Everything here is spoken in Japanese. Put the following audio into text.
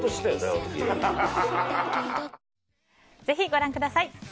ぜひご覧ください。